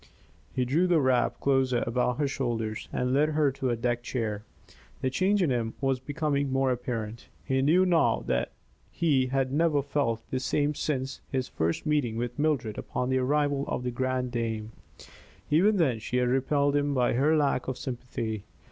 He drew the wrap closer about her shoulders and led her to a deck chair. The change in him was becoming more apparent. He knew now that he had never felt the same since his first meeting with Mildred upon the arrival of The Grande Dame. Even then she had repelled him by her lack of sympathy.